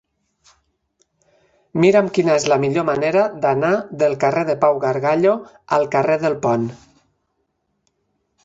Mira'm quina és la millor manera d'anar del carrer de Pau Gargallo al carrer del Pont.